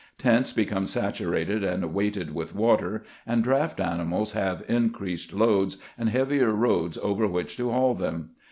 Tents become saturated and weighted with water, and draft animals have increased loads, and heavier roads over which to haul them.